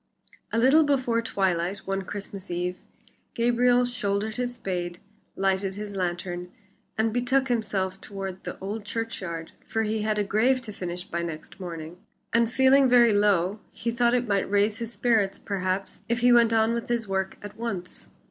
A little before twilight one Christmas Eve, Gabriel shouldered his spade, lighted his lantern, and betook himself toward the old churchyard, for he had a grave to finish by next morning, and feeling very low, he thought it might raise his spirits, perhaps, if he went on with his work at once.